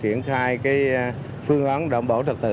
triển khai phương án đảm bảo trật tự